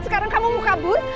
sekarang kamu mau kabur